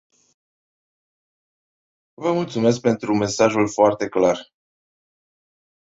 Vă mulțumesc pentru mesajul foarte clar.